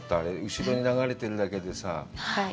後ろに流れてるだけでさ。